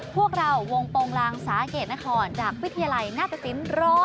พวกเราวงโปรงลางสาเกตนครจากวิทยาลัยนาตสิน๑๐